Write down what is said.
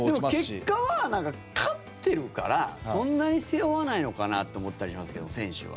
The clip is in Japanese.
でも、結果は勝ってるからそんなに背負わないのかなと思ったりしますけども選手は。